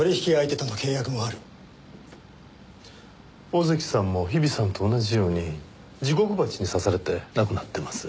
小関さんも日比さんと同じようにジゴクバチに刺されて亡くなってます。